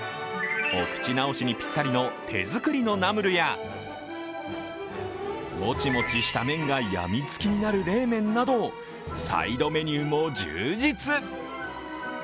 お口直しにぴったりの手作りのナムルやもちもちした麺が病みつきになる冷麺などサイドメニューも充実。